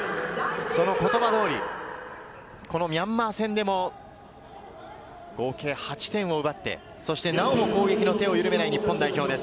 その言葉通り、ミャンマー戦でも、合計８点を奪って、なおも攻撃の手を緩めない日本代表です。